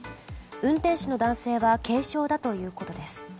運転手の男性は軽傷だということです。